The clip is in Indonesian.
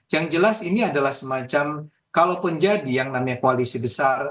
yang jelas ini adalah semacam kalaupun jadi yang namanya koalisi besar